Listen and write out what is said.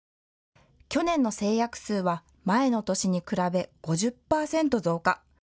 去年の成約数は前の年に比べ５０％増加。